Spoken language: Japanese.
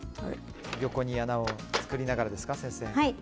横に穴を作りながらですね先生。